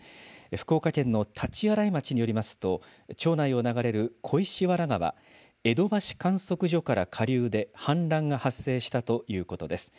福岡県の大刀洗町によりますと、町内を流れる小石原川えどばし観測所から下流で氾濫が発生したということです。